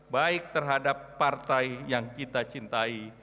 baik terhadap partai yang kita cintai